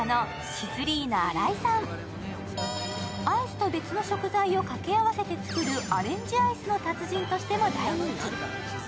アイスと別の食材を掛け合わせて作るアレンジアイスの達人としても大人気。